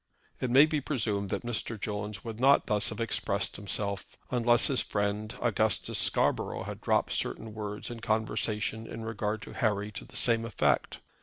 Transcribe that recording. It may be presumed that Mr. Jones would not thus have expressed himself unless his friend Augustus Scarborough had dropped certain words in conversation in regard to Harry to the same effect.